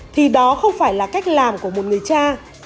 thì đó không phải là cách làm của một người cha